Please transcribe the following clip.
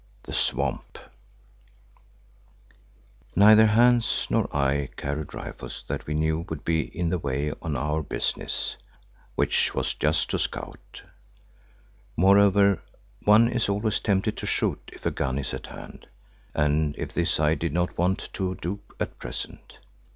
THE SWAMP Neither Hans nor I carried rifles that we knew would be in the way on our business, which was just to scout. Moreover, one is always tempted to shoot if a gun is at hand, and this I did not want to do at present.